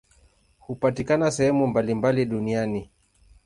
Hupatikana sehemu mbalimbali duniani.